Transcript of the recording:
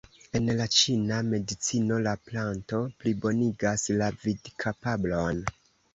En la ĉina medicino la planto plibonigas la vidkapablon.